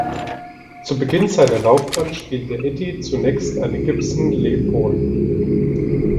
Zu Beginn seiner Laufbahn spielte Eddy zunächst eine Gibson Les Paul.